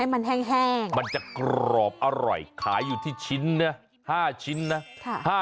มันแห้งมันจะกรอบอร่อยขายอยู่ที่ชิ้นนะ๕ชิ้นนะ